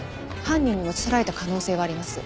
犯人に持ち去られた可能性があります。